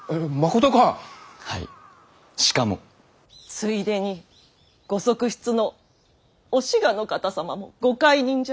ついでにご側室のお志賀の方様もご懐妊じゃ。